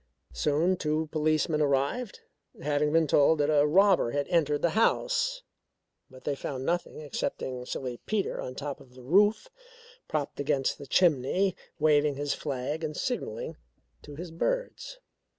Soon two policemen arrived, having been told that a robber had entered the house, but they found nothing excepting Silly Peter on top of the roof, propped against the chimney, waving his flag and signalling to his birds.